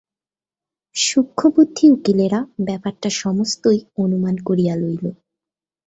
সূক্ষ্ণবুদ্ধি উকিলেরা ব্যাপারটা সমস্তই অনুমান করিয়া লইল।